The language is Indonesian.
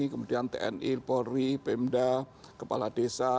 kemudian tni polri pemda kepala desa